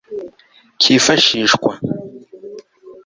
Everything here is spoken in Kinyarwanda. kifashishwa